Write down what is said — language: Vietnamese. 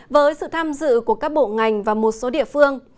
với sự tham dự của các bộ ngành và một số địa phương